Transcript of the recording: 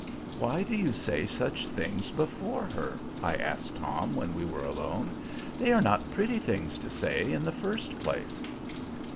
"Why do you say such things before her?" I asked Tom when we were alone. "They are not pretty things to say, in the first place."